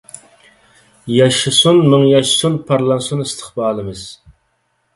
ﻳﺎشاسۇن، ﻣﯩﯔ ياشاسۇن، ﭘﺎﺭﻻنسۇن ﺋﯩﺴﺘﯩﻘﺒﺎﻟﯩﻤﯩﺰ!